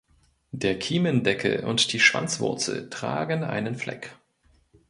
Der Kiemendeckel und die Schwanzwurzel tragen einen Fleck.